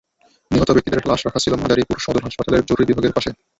নিহত ব্যক্তিদের লাশ রাখা ছিল মাদারীপুর সদর হাসপাতালের জরুরি বিভাগের পাশে।